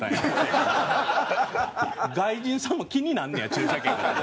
外国人さんも気になんねや駐車券がと。